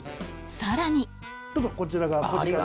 さらにどうぞこちらが。